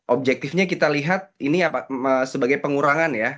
objektifnya kita lihat ini sebagai pengurangan ya